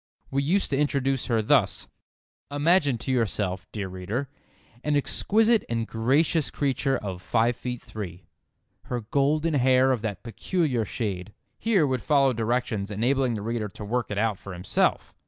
We used to introduce her thus: "Imagine to yourself, dear reader, an exquisite and gracious creature of five feet three. Her golden hair of that peculiar shade"—here would follow directions enabling the reader to work it out for himself.